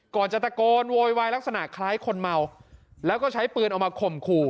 จะตะโกนโวยวายลักษณะคล้ายคนเมาแล้วก็ใช้ปืนออกมาข่มขู่